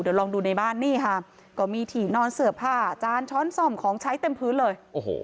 เดี๋ยวลองดูในบ้านนี่ค่ะก็มีถี่นอนเสื้อผ้าจานช้อนซ่อมของใช้เต็มพื้นเลย